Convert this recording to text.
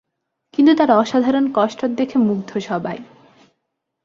কিন্তু তার অসাধারণ কসরত দেখে মুগ্ধ সবাই।